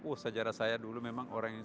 oh sejarah saya dulu memang orang ini